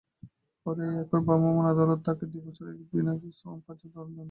পরে একই ভ্রাম্যমাণ আদালত তাঁকে দুই বছর বিনা শ্রম কারাদণ্ড দেন।